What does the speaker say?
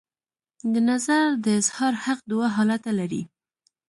د نظر د اظهار حق دوه حالته لري.